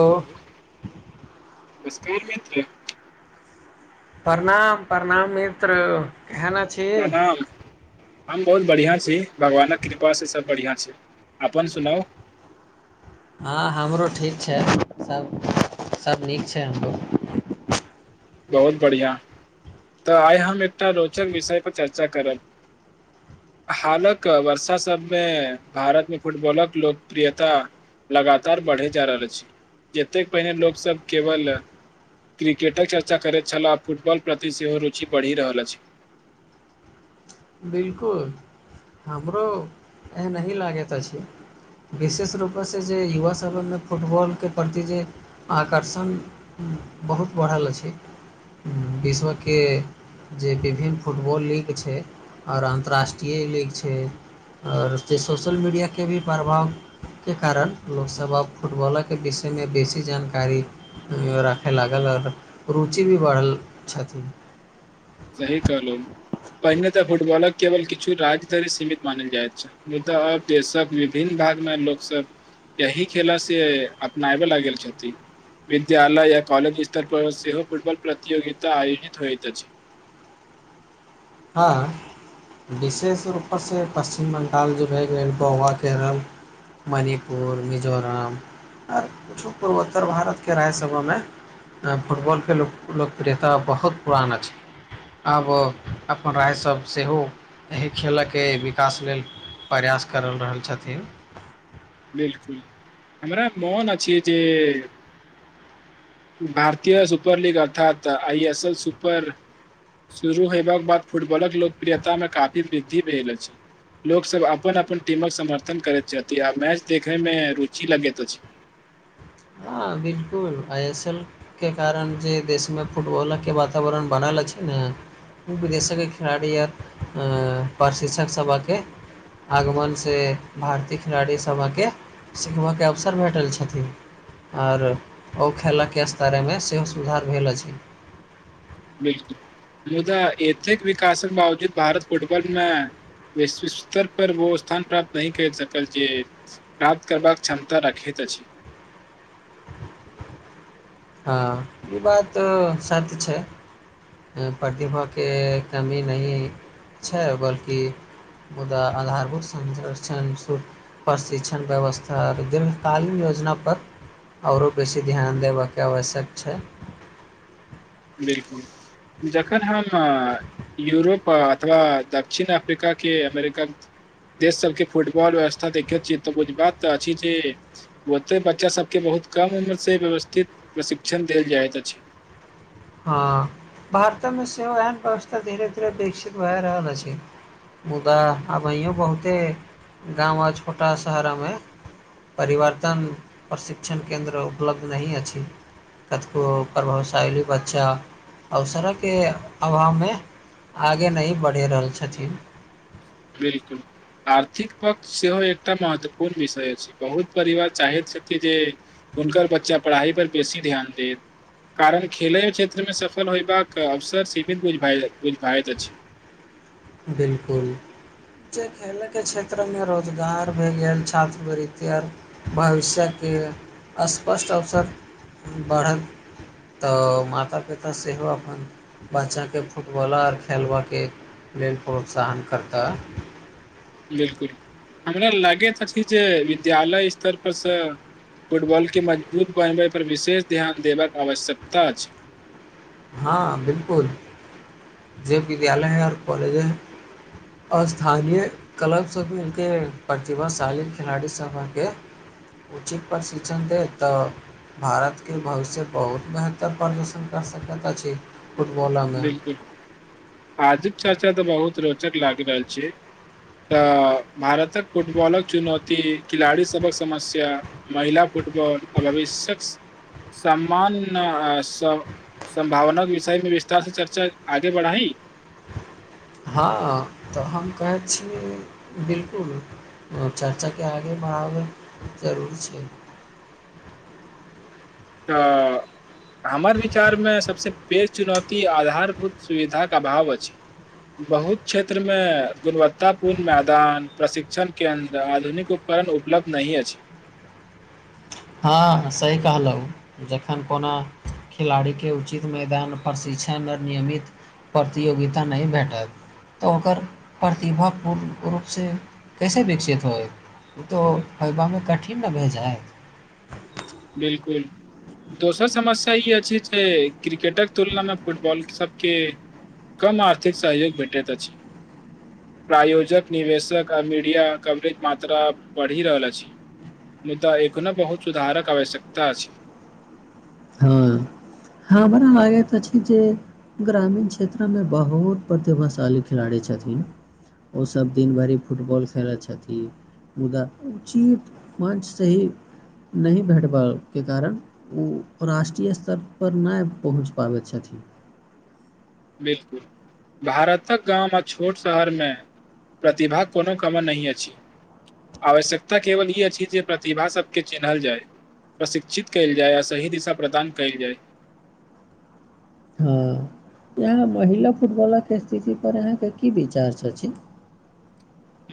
ओ [unintelligible] प्रणाम प्रणाम मित्र केना प्रणाम हम बहुत बढ़िआँ छी भगवानक कृपासँ सभ बढ़िआँ छी अपन सुनाउ हँ हमरो ठीक छै सब सब नीक छै हमरो बहुत बढ़ियाँ तऽ आइ हम एकटा रोचक विषय पर चर्चा करब हालक वर्षा सबमे भारत मे फुटबॉलक लोकप्रियता लगातार बढैत जा रहल अछि जतेक पहिने लोकसब केवल क्रिकेटक चर्चा करैत छलाह आ फुटबॉल प्रति सेहो रुचि बढ़ि रहल अछि बिलकुल हमरो एनही लागैत अछि विशेष रूपेसँ जे युवा सभमे फुटबॉल के प्रति जे आकर्षण बहुत बढ़ल अछि विश्वके जे विभिन्न फुटबॉल लय के छै आओर अन्त्राष्ट्रीय लीग छै आओर से सोशल मीडियाके भी प्रभाव के कारण लोकसभ अब फुटबॉल के विषयमे बेसी जानकारी राखय लागल आ रुचि भी बढ़ल छथिन सही कहलहु पहिने तऽ फुटबॉलक केवल किछु राज्य धरि सीमित मानल जाइत छै नहि तऽ आर देशक विभिन्न भाग मे लोक सब यही खेला से अपना आबै लागल छथिन विद्यालय या कॉलेज स्तर पर सेहो फुटबॉल प्रतियोगिता आयोजित होइत अछि हँ हँ विशेष रूपसे पश्चिम बगांल जे भए गेल गोवा केरल मणिपुर मिजोरम आओर किछु पूर्वोत्तर भारतके राज्य सभा मे आब फुटबॉलके लोकप्रियता बहुत पुराना अछि आब अपन राय सभ सेहो एहि खेल के विकास लेल प्रयास करल रहल छथिन बिलकुल हमरा मोन अछि जे भारतीय सुपर लीग अर्थात आइ एस एल सुपर शुरू होयबाक बाद फुटबॉलक लोकप्रियता मे काफी वृद्धि भेल अछि लोक सब अपन अपन टीमक समर्थन करैत छथि आ मैच देखय मे रुचि लगैत अछि हँ बिल्कुल आइ एस एल के कारण जे देशमे फुटबॉल के वातावरण बनल अछि ने ओ विदेशेके खिलाड़ी आ प्रशिक्षक सभके आगमन से भारतीय खिलाड़ी सभके सिखबय के अवसर भेटल छथिन आर ओ खेलयके स्तरेमे सेहो सुधार भेल अछि बिलकुल मुदा एतेक विकासक बावजूद भारत फुटबॉल मे विश्व स्तर पर वो स्थान प्राप्त नही कैर सकल छियै प्राप्त करबाक क्षमता रखैत अछि हँ ई बात सत्य छै प्रतिभा के कमी नहि छै बल्कि मुदा आधारभुत [unintelligible] प्रशिक्षण व्यवस्था आ दीर्घकालीन योजनापर आओरो बेसी ध्यान देबय के आवश्यक छै बिलकुल जखन हम अ यूरोप अथवा दक्षिण अफ्रिका के अमेरिका देश सबके फुटबॉल व्यवस्था देखैत छियै तऽ बुझ बात तऽ अछि ओते बच्चा सब के बहुत कम उम्र से व्यवस्थित प्रशिक्षण देल जाइत अछि हँ भारत मे सेहो एहन व्यवस्था धीरे धीरे विकसित भए रहल अछि मुदा आबैहुँओ बहुते गाम आ छोटा शहर मे परिवर्तन प्रशिक्षण केन्द्र उपलब्ध नहि अछि कतेको प्रभावशैली बत अच्छा अवसड़क के अभाव मे आगे नही बढ़ि रहल छथिन बिलकुल आर्थिक पक्ष सेहो एकटा महत्वपूर्ण विषय अछि बहुत परिवार चाहैत छथि जे उनकर बच्चा पढ़ाई पर बेसी ध्यान देत कारण खेले क्षेत्रमे सफल होयबाक अवसर सीमितझ बुझाइत अछि बिलकुल जे खेलयके क्षेत्रमे रोजगार भए गेल छात्रवृत्ति आर भविष्य के स्पष्ट अवसर बढ़ल तऽ माता पिता सेहो अपन बच्चा केँ फुटबॉलर खेलबय के प्रोत्साहन करता बिलकुल हमरा लागैत अछि जे विद्यालय स्तरपर सँ फुटबॉल के मजबूत बनबैपर विशेष ध्यान देबाक आवश्यकता अछि हँ बिलकुल जे विद्यालय है [unintelligible] अ स्थानीय क्लबसी इके प्रतिभाशालीन खेलाड़ी सभ के उचित प्रशिक्षण दे तऽ भारत के भविष्य बहुत बेहतर प्रदर्शन कर सकैत अछि फुटबॉल बिलकुल आजिब चर्चा तऽ बहुत रोचक लाग रहल छी तऽ भारतक फुटबॉलक चुनौती खिलाड़ी सबक समस्या महिला फुटबॉल आ भविष्यक सम्मान समभावनाक विषय मे वि तह से चर्चा आगे बढ़ाइ हँ तऽ हम कहैत छी बिलकुल- चर्चा के आगे बढाइल जाइत जरूरी छै तऽ हमर विचार में सभसँ पैघ चुनौती आधारभूत सुविधाके अभाव अछि बहुत क्षेत्रमे गुणवत्ता पूर्ण मैदान प्रशिक्षण केन्द्र आधुनिक उप करन उपलब्ध नहि अछि हँ सही कहलहुँ जखेन कोना खेलाड़ी के उचित मैदान प्रशिक्षण आ नियमित प्रतियोगिता नय भेटत तऽ ओकर प्रतिभा पूर्ण रूप से कैसे विकसित होयत ओ तऽ [unintelligible] कठिन न भए जाइत बिलकुल दोसर समस्या ई अछि जे क्रिकेटक तुलना में फुटबॉल सबके कम आर्थिक सहयोग भेटैत अछि प्रायोजक निवेशक आ मीडिया कवरेज मात्रा बढी़ रहल अछि मुदा एखनों बहुत सुधारक आवश्यकता छय हँ हमरा लागेत अछि जे ग्रामीण क्षेत्र मे बहुत प्रतिभाशाली खिलाड़ी छथिन ओ सभ दिन भरि फुटबॉल खेलैत छथि मुदा उचित मञ्च सही नहि भेटबा के कारण ऊ राष्ट्रीय स्तर पर नय पहुँच पाबैत छथिन बिलकुल भारत क गांम आ छोट शहर में प्रतिभाक कोनो कम नय अछि आवश्यकता केवल ई अछि जे प्रतिभा सबके चिन्हल जाय प्रशिक्षित कयल जाय आ सही दिशा प्रदान कयल जाय हँ यहाँ महिला फुटबॉलर के स्थिति पर अहाँके की विचार छ‌छी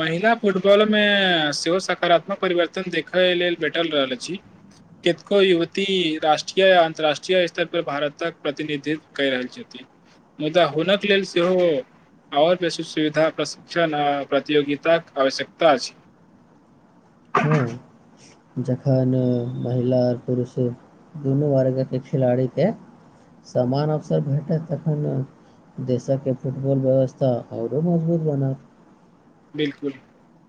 महिला फुटबॉल मे सेहो सकारात्मक परिवर्तन देखय लेल भेटल रहल अछि कतेको युवती राष्ट्रीय य अन्तर्राष्ट्रीय स्तर परर भारतक प्रतिनिधित्व कै रहल छथिन मुदा हुनक लेल सेहो आओर बेसी सुविधा प्रशिक्षण आ प्रतियोगिता क आवश्यकता अछि हूं जखन महिला आर पुरुष दुनू वर्ग के खिलाड़ी के समान अवसर भेटत तखन। देशक के फुटबॉल व्यवस्था आओरो मजबूत बनत। बिलकुल।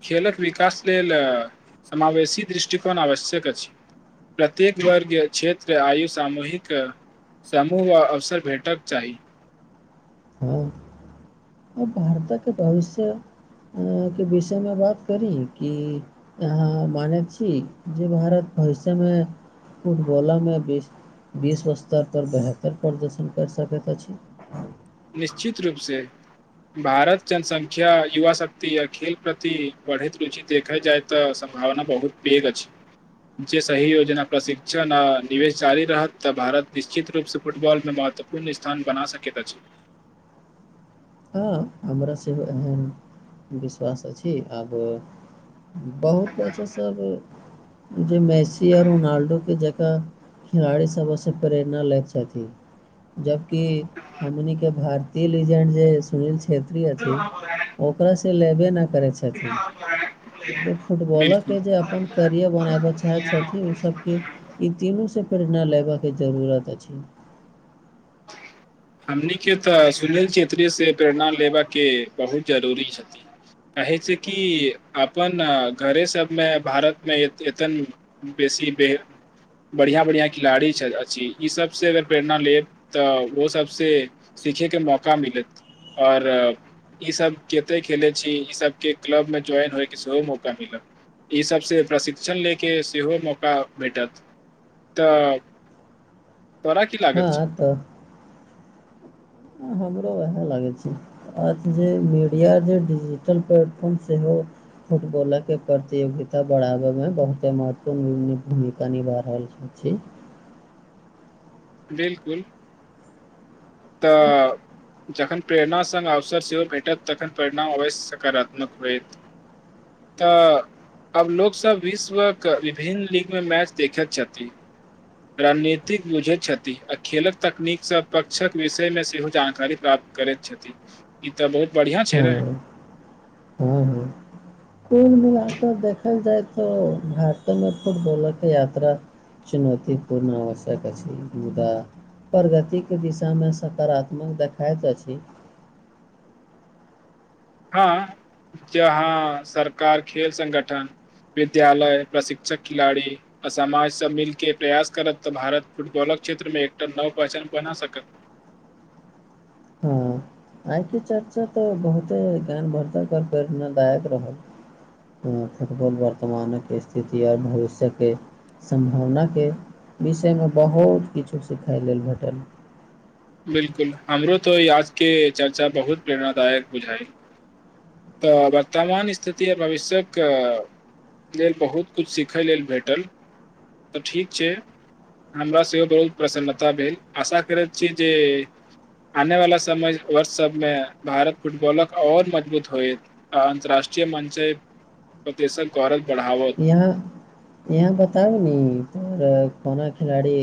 खेलक विकास लेल समावेशी दृष्टिकोण आवश्यक अछी प्रत्येक वर्ग क्षेत्र आयु सामूहिक समूह आ अवसर भेटक चाही हँ आ भारतक भविष्य आंहा के विषय मे बात करी कि आंहा मान छी जे भारत भविष्यमे फुटबलमे बेस विश्व स्तर पर बेहतर प्रदर्शन कैर सकैत अछि निश्चित रूपसे भारत जनसंख्या युवा शक्ति य खेल प्रति बढ़ैत रुचि देखल जाय। तऽ सम्भावना बहुत पेघ अछी जे सही योजना प्रशिक्षण आ निवेश जारी रहत तऽ भारत निश्चित रूप से फुटबॉल में महत्व पुण स्थान बना सकैत अछि। हँ हमरा सेहो एहन विश्वास अछि आब बहुत अच्छा सब मैसी यऽ रोनाल्डो के जका खिलड़ी सबसँ प्रेरणा लेत छथि जब कि हमन के भारतीय लेजेंड जे। सुनील छेत्री अछि ओकरा से लेबे नहि करै छै। छथि बिल्कुल फुटबॉलके जे अपन। करिअ बनाबऽ चाहै छथिन उ सबके ई तीनू से प्रेरणा लेबबाक के जरूुरत अछि। [unintelligible] हमनीके तऽ सुनील छेत्रीसँ प्रेरणा लेबाक के बहुत जरूरी छथिन। कहै छै कि अपन घरे सबमे भारतमे एतन। बेसी बे बढ़िआँ-बढ़िआँ खिलाड़ी अछि ई सबसँ अगर प्रेरणा लेब। तऽ ओ सबसँ सिखैके मौका मिलत आओर। ईसभ कतेक खेलैत छी ईसभके क्लबमे ज्वाइन होइके सेहो मौका मिलत ई सबसँ प्रशिक्षण ले के सेहो मौका भेटत। तऽ तोरा की लागत हां छ। हमरा उएह लागै छी। अ जे मीडिया जे डिजिटल प्लेटफॉर्म सेहो। फुटबॉलके प्रतियोगिता बढ़ाबैमे बहुते महत्व भूमिका निभा रहल छथि बिल्कुल। तऽ। जखन प्रेरणा सङ्ग अवसर सेहो भेटत तखन प्रेरणा अवश्य सकारात्मक होयत। तऽ। अब लोकसभ विश्वके विभिन्न लीगमे मैच देखैत छथि। रणनीतिक बुझैत छथि अऽ खेलक तकनीकसँ प। शिक्षक विषय मे सेहो जानकारी प्राप्त करैत छथि ई तऽ बहुत बढ़िआं छै नऽ। हू-हू। कोुल मिलाक देखल जाय तऽ भारत मे फुटबॉल कऽ यात्रा। चुनौती पूर्ण आवश्यक अछि मुदा। प्रगतिके दिशामे सकारात्मक देखइत अछि। हँ जहाँ सरकार खेल सगठन। विद्यालय प्रशिक्षक खिलाड़ी। अऽ साजसँ मिलके प्रयास करत तऽ भारत फुटबॉलक क्षेत्र मे एकटा नव पहचान बना सकत। हाँ आइ के चर्चा तऽ बहुते ज्ञान भरधक आऔर प्रेरणादायक रहल। फुटबॉल वर्तमानक स्थिति आओर भविष्यके। सम्भावनाके विषयमे बहुत किछु सिखै लेल भेटत। बिल्कुल हमरो तऽ आजके चर्चा बहुत प्रेरणाादायक बुझाई। तऽ वर्तमान स्थिति आर भविष्य्यक। लेल बहुत कछु सिखय लेल भेटल। तऽ ठीक छै हमरा सेहो बहुत प्रसन्नता भेल आशा करैत छी। जे आने वाला समय वर्ष सब में भारत फुटबॉलक और मजबूत होय। अन्तर्राष्ट्रीय मञचे पर देेशक गौरव बढ़ाव। या। इहाँ बताउ नि तोरा कोना खिलाड़ी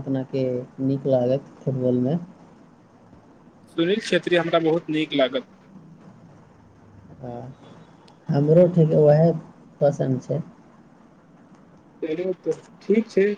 अपनाके नीक लागत। फुटबॉलमे। सुनील क्षेत्री हमरा बहुत नीक लागल ह हमरो ठीक ओएह पसन्द छै चलो तऽ ठीक छैय